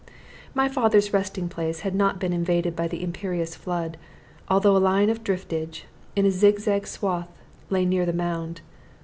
My father's resting place had not been invaded by the imperious flood, although a line of driftage, in a zigzag swath, lay near the mound.